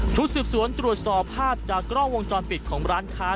สืบสวนตรวจสอบภาพจากกล้องวงจรปิดของร้านค้า